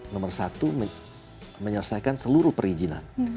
nomor satu menyelesaikan seluruh perizinan